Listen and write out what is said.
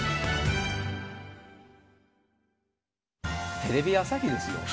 テレビ朝日ですよ。